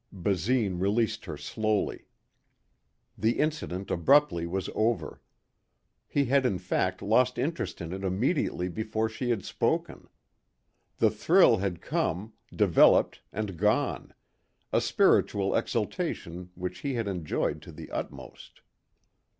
Basine released her slowly. The incident abruptly was over. He had in fact lost interest in it immediately before she had spoken. The thrill had come, developed and gone a spiritual exaltation which he had enjoyed to the utmost.